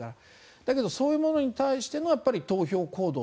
だけどそういうものに対しての投票行動。